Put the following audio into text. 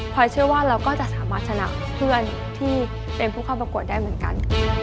พอยเชื่อว่าเราก็จะสามารถชนะเพื่อนที่เป็นผู้เข้าประกวดได้เหมือนกัน